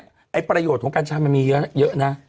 ไอ้ประโยชน์ของกัญชามันมีเยอะนะ